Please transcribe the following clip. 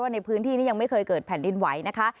ในพื้นที่นี้ยังไม่เคยเกิดแผ่นดินไหวนะคะ